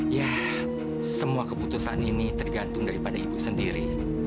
ya semua keputusan ini tergantung daripada ibu sendiri